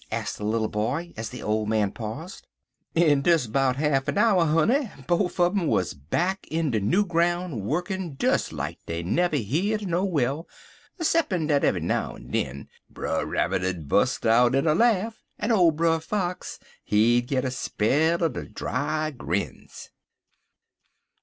asked the little boy, as the old man paused. "In des 'bout half 'n hour, honey, bofe un um wuz back in de new groun' wukkin' des like dey never heer'd er no well, ceppin' dat eve'y now'n den Brer Rabbit'd bust out in er laff, en old Brer Fox, he'd git a spell er de dry grins."